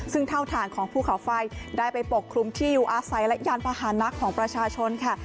ซึ่งเท่าฐานของภูเขาไฟได้ไปปกคลุมที่อยู่อาศัยและยานพาหานักของประชาชนค่ะ